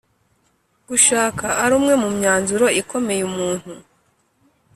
Gushaka ari umwe mu myanzuro ikomeye umuntu